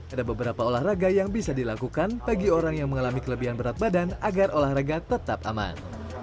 ada beberapa olahraga yang bisa dilakukan bagi orang yang mengalami kelebihan berat badan agar olahraga tetap aman